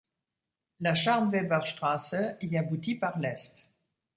La Scharnweber Straße y aboutit par l'est.